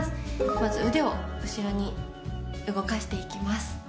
まず腕を後ろに動かしていきます。